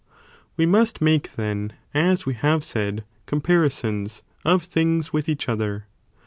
ΤΥ We must make then, as we have said, compari places, how. sons of things with each other.